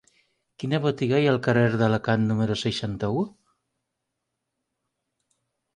Quina botiga hi ha al carrer d'Alacant número seixanta-u?